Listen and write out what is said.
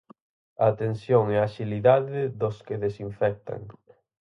A tensión e axilidade dos que desinfectan.